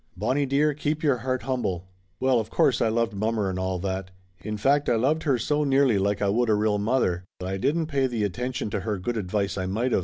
Bonnie dearie, keep your heart humble I" Well, of course I loved mommer and all that. In fact I loved her so nearly like I would a real mother that I didn't pay the attention to her good advice I might of.